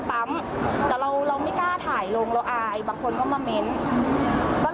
พิจารณากันแล้วกัน